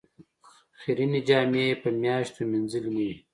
خیرنې جامې یې په میاشتو مینځلې نه وې.